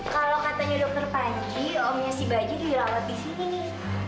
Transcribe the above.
kalau katanya dokter panji omnya si baju dirawat di sini nih